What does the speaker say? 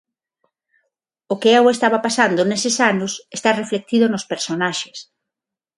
O que eu estaba pasando neses anos está reflectido nos personaxes.